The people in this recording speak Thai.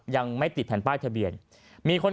ยังไม่ติดแผ่นป้ายทะเบียนมีคน